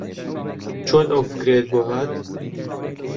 چۆن ئەو فکرەیەت بۆ ھات؟